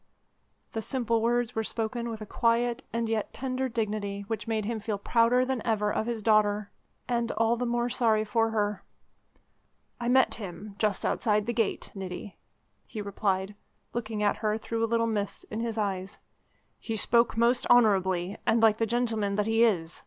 The simple words were spoken with a quiet and yet tender dignity which made him feel prouder than ever of his daughter and all the more sorry for her. "I met him just outside the gate, Niti," he replied, looking at her through a little mist in his eyes, "He spoke most honourably, and like the gentleman that he is.